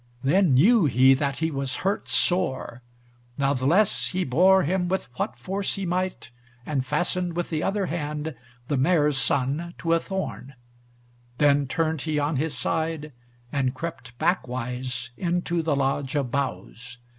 Then knew he that he was hurt sore, natheless he bore him with what force he might, and fastened with the other hand the mare's son to a thorn. Then turned he on his side, and crept backwise into the lodge of boughs.